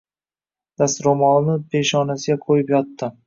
Dastro‘molini peshonasiga qo‘yib yotdi.